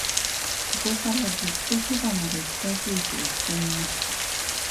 それから、ずっと側まで近づいて行ってみました。